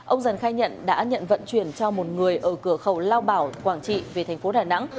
ông dần khai nhận đã nhận vận chuyển cho một người ở cửa khẩu lao bảo quảng trị về thành phố đà nẵng